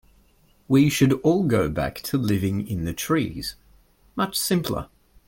We should all go back to living in the trees, much simpler.